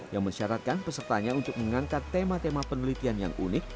yang mensyaratkan pesertanya untuk mengangkat tema tema penelitian yang unik